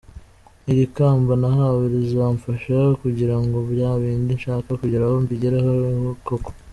Iri kamba nahawe rizamfasha kugira ngo bya bindi nshaka kugeraho mbigereho koko.